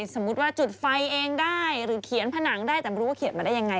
สมมุติว่าจุดไฟเองได้หรือเขียนผนังได้แต่ไม่รู้ว่าเขียนมาได้ยังไง